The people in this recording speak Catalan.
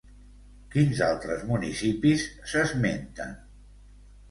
Quins altres municipis s'esmenten?